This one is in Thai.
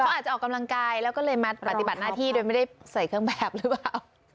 เขาอาจจะออกกำลังกายแล้วก็เลยมาปฏิบัติหน้าที่โดยไม่ได้ใส่เครื่องแบบหรือเปล่า